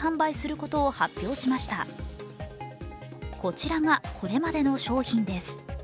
こちらがこれまでの商品です。